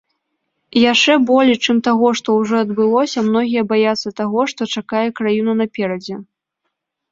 Яшчэ болей, чым таго, што ўжо адбылося, многія баяцца таго, што чакае краіну наперадзе.